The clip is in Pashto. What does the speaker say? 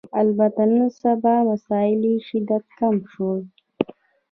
البته نن سبا مسألې شدت کم شوی